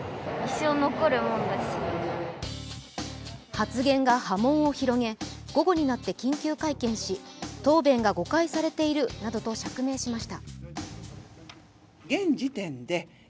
発言が波紋を広げ、午後になって緊急会見し、答弁が誤解されているなどと釈明しました。